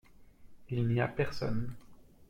Il n’y a personne.